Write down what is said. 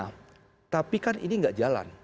nah tapi kan ini nggak jalan